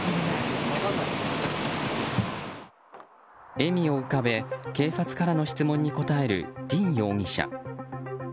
笑みを浮かべ、警察からの質問に答えるディン容疑者。